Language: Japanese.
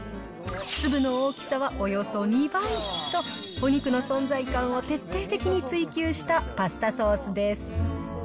粒の大きさはおよそ２倍と、お肉の存在感を徹底的に追求したパスタソースです。